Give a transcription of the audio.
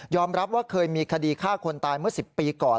รับว่าเคยมีคดีฆ่าคนตายเมื่อ๑๐ปีก่อน